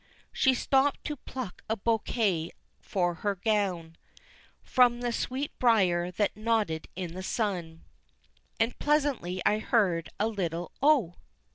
She stopped to pluck a bouquet for her gown From the sweetbriar that nodded in the sun, And presently I heard a little "Oh!"